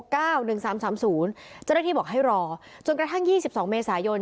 เจ้าหน้าที่บอกให้รอจนกระทั่ง๒๒เมษายน